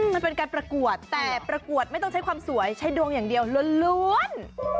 มันเป็นการประกวดแต่ประกวดไม่ต้องใช้ความสวยใช้ดวงอย่างเดียวล้วน